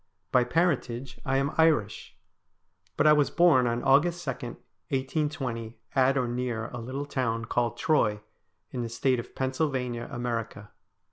By parentage I am Irish, but I was born on August 2, 1820, at or near a little town called Troy, in the State of Pennsylvania, America.